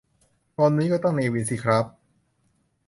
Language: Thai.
ตอนนี้ก็ต้อง 'เนวิน' สิคร้าบ